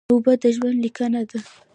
اوبه د ژوند لیکه ده